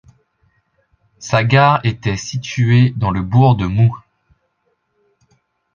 Sa gare était située dans le bourg de Moux.